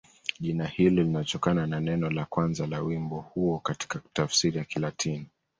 Jina hilo linatokana na neno la kwanza la wimbo huo katika tafsiri ya Kilatini.